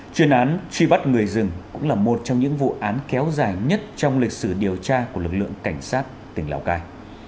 chuyên án truy bắt người rừng cũng là một trong những vụ án kéo dài nhất trong lịch sử điều tra của lực lượng cảnh sát tỉnh lào cai